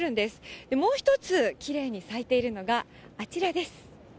さらにもう一つ、きれいに咲いているのが、あちらです。